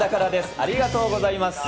ありがとうございます。